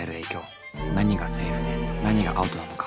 何がセーフで何がアウトなのか。